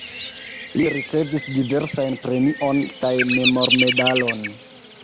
Li ricevis diversajn premion kaj memormedalon.